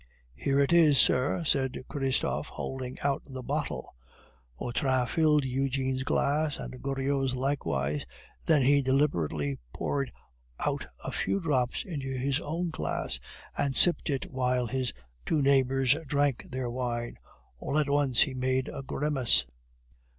"Here it is, sir," said Christophe, holding out the bottle. Vautrin filled Eugene's glass and Goriot's likewise, then he deliberately poured out a few drops into his own glass, and sipped it while his two neighbors drank their wine. All at once he made a grimace.